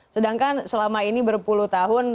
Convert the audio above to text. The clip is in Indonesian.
sedangkan selama ini berpuluh tahun